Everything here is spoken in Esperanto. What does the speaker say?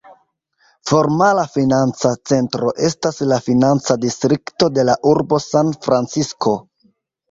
Formala financa centro estas la financa distrikto de la urbo San-Francisko.